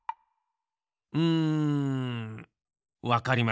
うんわかりました。